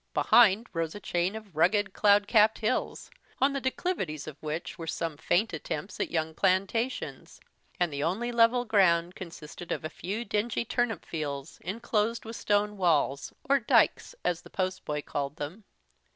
Behind rose a chain of rugged cloud capped hills, on the declivities of which were some faint attempts at young plantations; and the only level ground consisted of a few dingy turnip fields, enclosed with stone walls, or dykes, as the post boy called them.